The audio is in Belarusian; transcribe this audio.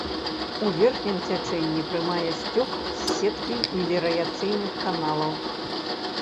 У верхнім цячэнні прымае сцёк з сеткі меліярацыйных каналаў.